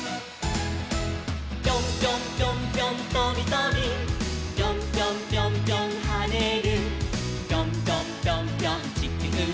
「ぴょんぴょんぴょんぴょんとびとび」「ぴょんぴょんぴょんぴょんはねる」「ぴょんぴょんぴょんぴょんちきゅうを」